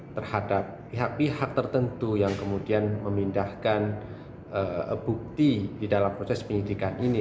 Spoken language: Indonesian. terhadap pihak pihak tertentu yang kemudian memindahkan bukti di dalam proses penyidikan ini